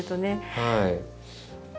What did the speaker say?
はい。